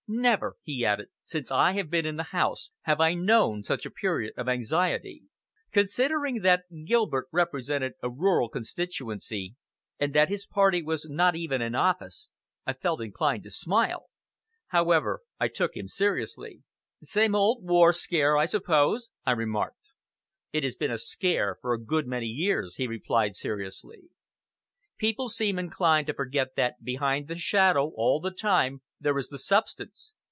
Never," he added, "since I have been in the House, have I known such a period of anxiety." Considering that Gilbert represented a rural constituency, and that his party was not even in office, I felt inclined to smile. However, I took him seriously. "Same old war scare, I suppose?" I remarked. "It has been a 'scare' for a good many years," he replied seriously. "People seem inclined to forget that behind the shadow all the time there is the substance.